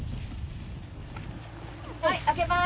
はい開けます。